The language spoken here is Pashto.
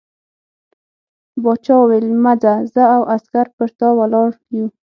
باچا وویل مه ځه زه او عسکر پر تا ولاړ یو.